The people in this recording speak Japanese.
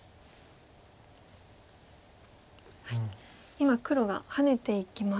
今黒がハネていきました。